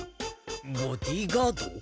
ボディーガード？